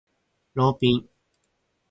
ローピン